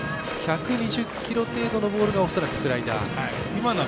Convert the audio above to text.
１２０キロのボールが恐らくスライダー。